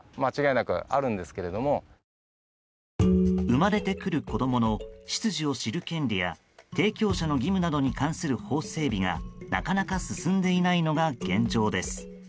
生まれてくる子供の出自を知る権利や提供者の義務などに関する法整備がなかなか進んでいないのが現状です。